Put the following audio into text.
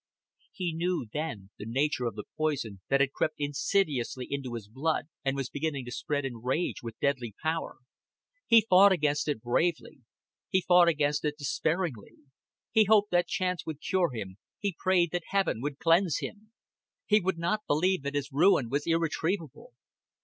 He knew then the nature of the poison that had crept insidiously into his blood and was beginning to spread and rage with deadly power. He fought against it bravely, he fought against it despairingly. He hoped that chance would cure him, he prayed that heaven would cleanse him. He would not believe that his ruin was irretrievable.